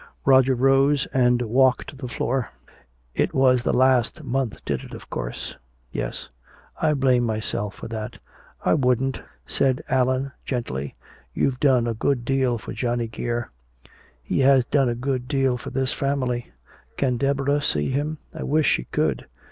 Roger rose and walked the floor. "It was the last month did it, of course " "Yes " "I blame myself for that." "I wouldn't," said Allan gently. "You've done a good deal for Johnny Geer." "He has done a good deal for this family! Can Deborah see him?" "I wish she could."